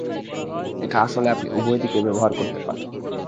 এটা আসলে আপনি উভয় দিকে ব্যবহার করতে পারেন।